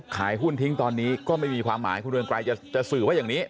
ขายหุ้นทิ้งตอนนี้ก็ไม่มีความหมายคุณเรืองไกรจะสื่อว่าอย่างนี้